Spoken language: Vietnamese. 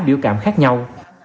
biểu cảm khác nhau